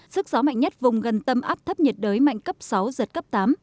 sức gió mạnh nhất vùng gần tâm áp thấp nhiệt đới mạnh cấp sáu giật cấp tám